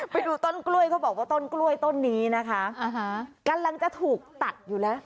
ไปดูต้นกล้วยเขาบอกว่าต้นกล้วยต้นนี้นะคะกำลังจะถูกตัดอยู่แล้ว